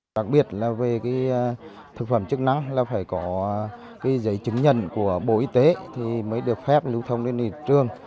đặc biệt là về thực phẩm chức năng là phải có giấy chứng nhận của bộ y tế thì mới được phép lưu thông lên trường